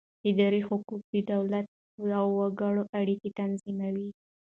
اداري حقوق د دولت او وګړو اړیکې تنظیموي.